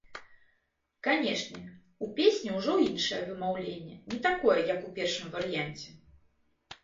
Канешне, у песні ўжо іншае вымаўленне, не такое, як у першым варыянце.